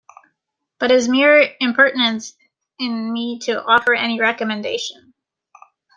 But it is mere impertinence in me to offer any recommendation.